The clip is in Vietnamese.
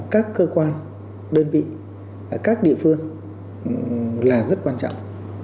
các cơ quan đơn vị các địa phương là rất quan trọng